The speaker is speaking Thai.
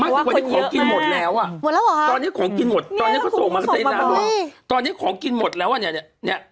มักถึงวันนี้ของกินหมดแล้วอ่ะตอนนี้ของกินหมดตอนนี้เขาส่งมากับจริงแล้วอ่ะตอนนี้ของกินหมดแล้วอ่ะเนี่ยเนี่ย